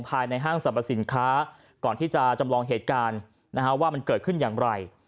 ภายในห้างสรรพสินค้าก่อนที่จะจำลองเหตุการณ์ว่ามันเกิดขึ้นอย่างไร